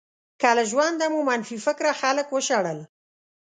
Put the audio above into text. که له ژونده مو منفي فکره خلک وشړل.